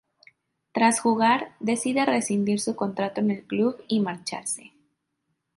Tras jugar, decide rescindir su contrato con el club y marcharse.